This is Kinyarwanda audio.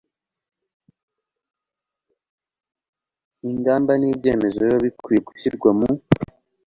ingamba ni ibyemezo biba bikwiye gushyirwa mu